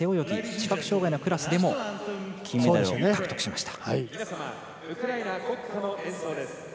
視覚障がいのクラスでも金メダルを獲得しました。